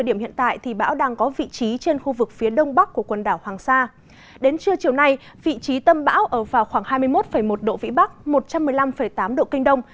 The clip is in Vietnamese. đến trưa chiều nay vị trí tâm bão ở vào khoảng hai mươi một một độ vĩ bắc một trăm một mươi năm tám độ kinh đông